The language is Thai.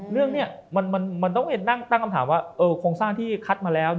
เรื่องนี้มันต้องตั้งคำถามว่าโครงสร้างที่คัดมาแล้ว